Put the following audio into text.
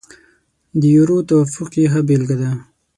د یورو توافق یې ښه بېلګه ده.